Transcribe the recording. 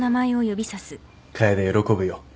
楓喜ぶよ。